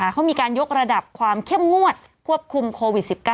เขามีการยกระดับความเข้มงวดควบคุมโควิด๑๙